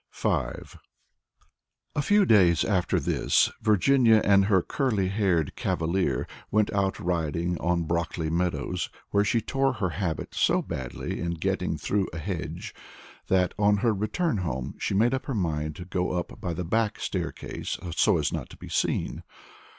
V A few days after this, Virginia and her curly haired cavalier went out riding on Brockley meadows, where she tore her habit so badly in getting through a hedge that, on their return home, she made up her mind to go up by the back staircase so as not to be seen.